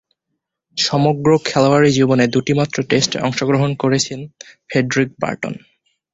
সমগ্র খেলোয়াড়ী জীবনে দুইটিমাত্র টেস্টে অংশগ্রহণ করেছেন ফ্রেডরিক বার্টন।